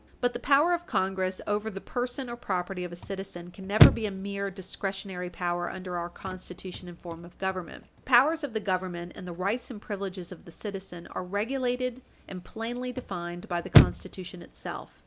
But the power of Congress over the person or property of a citizen can never be a mere discretionary power under our Constitution and form of Government. The powers of the Government and the rights and privileges of the citizen are regulated and plainly defined by the Constitution itself.